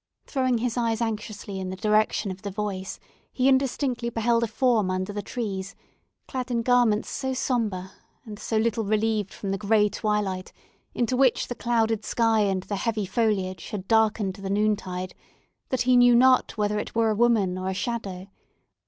Throwing his eyes anxiously in the direction of the voice, he indistinctly beheld a form under the trees, clad in garments so sombre, and so little relieved from the gray twilight into which the clouded sky and the heavy foliage had darkened the noontide, that he knew not whether it were a woman or a shadow.